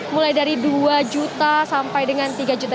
mulai dari dua juta sampai dengan tiga juta